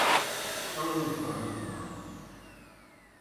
A win izedɣen igenwan.